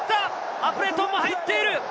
アプレトンも入っている！